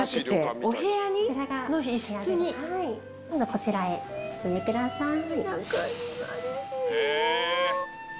こちらへお進みください。